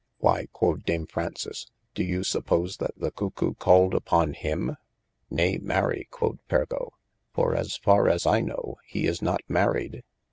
Why quod dame Fraunces, do you suppose that the Cuckoe called unto him ? Nay mary quod Pergo, for (as fare as I knowe) he is not maried.